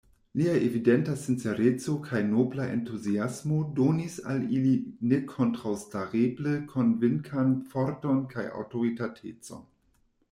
Lia evidenta sincereco kaj nobla entuziasmo donis al ili nekontraŭstareble konvinkan forton kaj aŭtoritatecon.